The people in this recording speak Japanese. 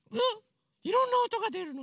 いろんなおとがでるの？